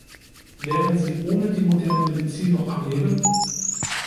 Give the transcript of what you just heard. Wären Sie ohne die moderne Medizin noch am Leben?